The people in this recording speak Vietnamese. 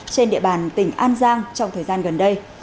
trên địa bàn tỉnh an giang trong thời gian gần đây